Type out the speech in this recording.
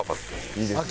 いいですね。